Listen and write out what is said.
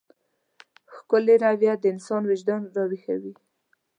ښکلې رويه د انسان وجدان راويښوي.